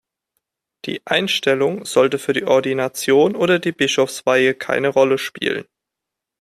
Die Einstellung sollte für die Ordination oder die Bischofsweihe keine Rolle spielen.